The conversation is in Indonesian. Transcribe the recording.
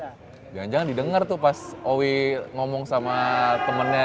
jangan jangan didengar tuh pas owi ngomong sama temennya